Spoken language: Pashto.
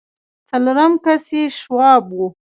څلورم کس يې شواب و.